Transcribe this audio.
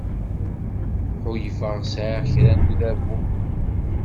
Ḥulfaɣ sɛiɣ kra n udabu.